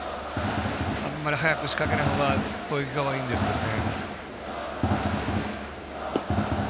あんまり早く仕掛けないほうが攻撃側はいいんですけどね。